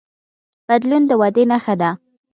بدلون د ودې نښه ده.